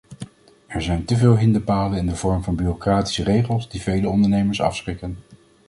Er zijn teveel hinderpalen in de vorm van bureaucratische regels, die vele ondernemers afschrikken.